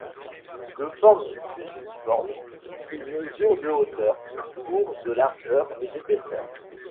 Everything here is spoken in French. De forme fusiforme, il mesure de hauteur pour de largeur et d'épaisseur.